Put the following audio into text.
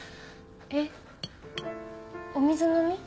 えっ？お水飲み。